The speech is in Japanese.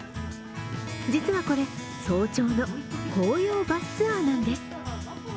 実はこれ、早朝の紅葉バスツアーなんです。